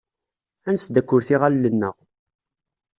Ad nesdakklet iɣallen-nneɣ.